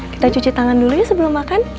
kita cuci tangan dulu ya sebelum makan